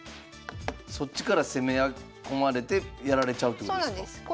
そっちから攻め込まれてやられちゃうってことですか。